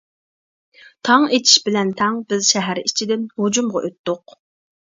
تاڭ ئېتىش بىلەن تەڭ بىز شەھەر ئىچىدىن ھۇجۇمغا ئۆتتۇق.